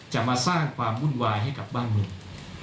จะมาสร้างความวุ่นวายให้กับบ้านเมือง